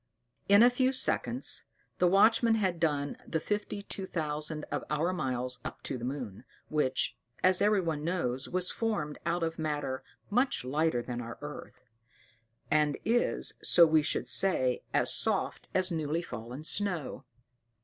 In a few seconds the watchman had done the fifty two thousand of our miles up to the moon, which, as everyone knows, was formed out of matter much lighter than our earth; and is, so we should say, as soft as newly fallen snow.